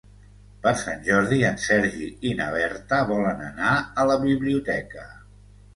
Per Sant Jordi en Sergi i na Berta volen anar a la biblioteca.